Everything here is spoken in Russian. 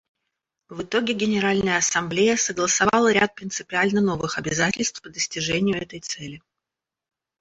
В итоге Генеральная Ассамблея согласовала ряд принципиально новых обязательств по достижению этой цели.